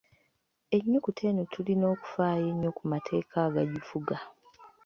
Ennyukuta eno tulina okufaayo ennyo ku mateeka agagifuga.